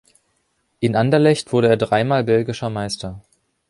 In Anderlecht wurde er dreimal belgischer Meister.